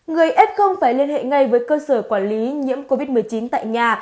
người s phải liên hệ ngay với cơ sở quản lý nhiễm covid một mươi chín tại nhà